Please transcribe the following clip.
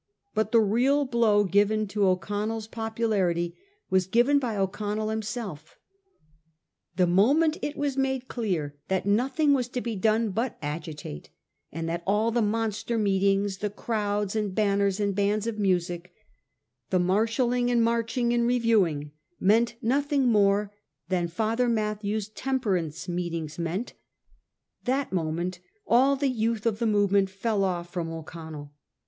But the real blow given to O'Connell's popularity was given by O'Con nell himself. The moment it was made clear that nothing was to be done but agitate, and that all the monster meetings, the crowds and banners and bands of music, the marshalling and marching and review ing, meant nothing more than Father Mathew's tem perance meetings meant — that moment all the youth of the movement fell off from O'Connell.